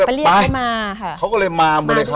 ไปเรียกเขามาค่ะเขาก็เลยมา